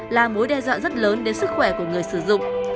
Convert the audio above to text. là mối đe dọa rất lớn đến sức khỏe của người sử dụng